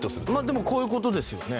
でもこういう事ですよね。